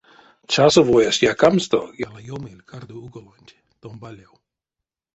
Часовоесь якамсто яла ёмиль кардо уголонть томбалев.